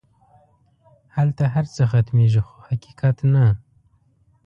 هلته هر څه ختمېږي خو حقیقت نه.